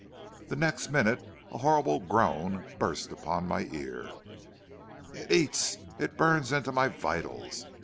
The next minute a horrible groan burst upon my ear. "'It eats it burns into my vitals.